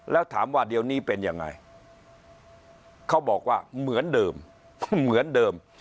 แล้วถามว่าเดี๋ยวนี้เป็นยังไงเขาบอกว่าเหมือนเดิมเหมือนเดิม